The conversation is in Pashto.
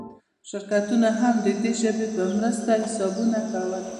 شرکتونه هم د دې ژبې په مرسته حسابونه کول.